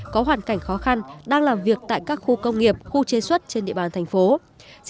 có hoàn cảnh khó khăn đang làm việc tại các khu công nghiệp khu chế xuất trên địa bàn thành phố